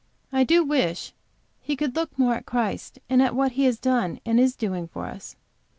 I do wish he could look more at Christ and at what He has done and is doing for us.